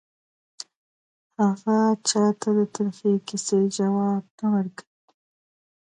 هغه چا ته د ترخې کیسې ځواب نه ورکوي